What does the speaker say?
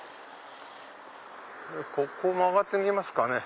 ここ曲がってみますかね。